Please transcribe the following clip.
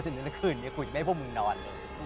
นั้นคืนนี้ก็ไม่ให้พวกมึงนอน